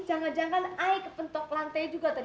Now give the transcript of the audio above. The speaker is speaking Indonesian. jangan jangan ayo kepentok lantai juga tadi